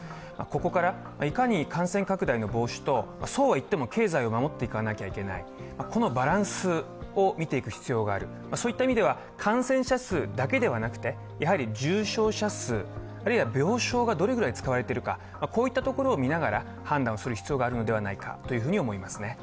ここからいかに感染拡大の防止とそうはいっても経済を守っていかなきゃいけない、このバランスを見ていく必要がある、そういった意味では感染者数だけではなくて重症者数、あるいは病床がどれぐらい使われているかといったところを見ながら判断をする必要があるのではないかと思いますね。